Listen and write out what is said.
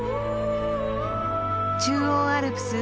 中央アルプス